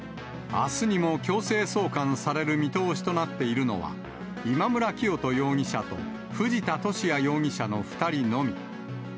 あすにも強制送還される見通しとなっているのは、今村磨人容疑者と藤田聖也容疑者の２人のみ。